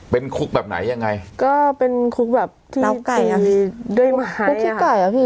เป็นคุกแบบไหนยังไงก็เป็นคุกแบบที่ตีด้วยไม้คุกที่ไก่อ่ะพี่